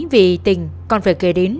vì tình còn phải kể đến